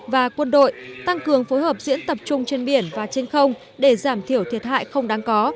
và quân đội tăng cường phối hợp diễn tập trung trên biển và trên không để giảm thiểu thiệt hại không đáng có